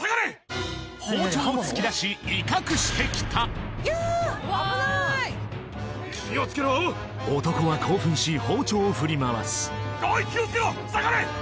包丁を突き出し威嚇してきた男は興奮し包丁を振り回すおい気をつけろ下がれ！